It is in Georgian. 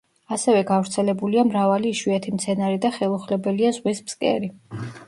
ასევე გავრცელებულია მრავალი იშვიათი მცენარე და ხელუხლებელია ზღვის ფსკერი.